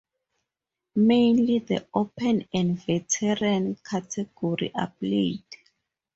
Mainly the Open and Veteran category are played.